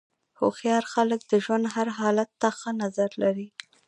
هوښیار خلک د ژوند هر حالت ته ښه نظر لري.